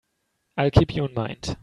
I'll keep you in mind.